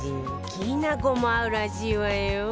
きなこも合うらしいわよ